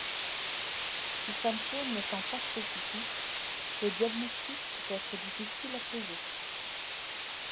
Ces symptômes n'étant pas spécifiques, le diagnostic peut être difficile à poser.